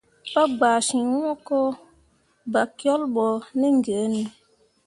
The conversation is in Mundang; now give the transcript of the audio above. Pa gbaa ciŋ hũko, bakyole ɓo ne giini.